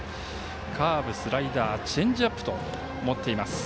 カーブ、スライダーチェンジアップを持っています。